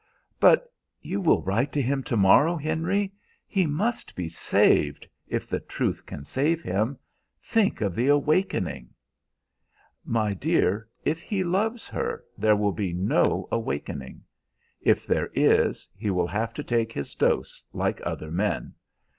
"But you will write to him to morrow, Henry? He must be saved, if the truth can save him. Think of the awakening!" "My dear, if he loves her there will be no awakening. If there is, he will have to take his dose like other men.